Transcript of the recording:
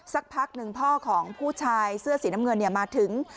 สักพักหนึ่งพ่อของผู้ชายเสื้อสีน้ำเงินมาถึง